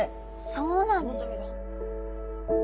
そうなんですか。